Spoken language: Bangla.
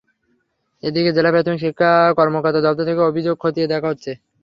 এদিকে জেলা প্রাথমিক শিক্ষা কর্মকর্তার দপ্তর থেকেও অভিযোগ খতিয়ে দেখা হচ্ছে।